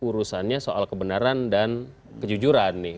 urusannya soal kebenaran dan kejujuran nih